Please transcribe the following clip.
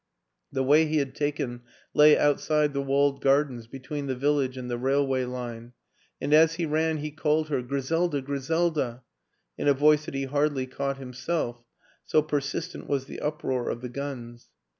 The way he had taken lay outside the walled gar dens between the village and the railway line; and as he ran he called her " Griselda, Gri selda !" in a voice that he hardly caught him self, so persistent was the uproar of the guns.